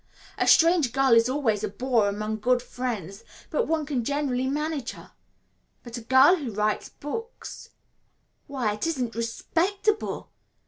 A strange girl is always a bore among good friends, but one can generally manage her. But a girl who writes books why, it isn't respectable!